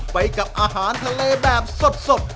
ไปกับอาหารทะเลแบบสด